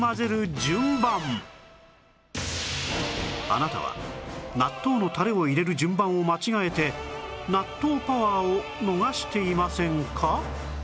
あなたは納豆のタレを入れる順番を間違えて納豆パワーを逃していませんか？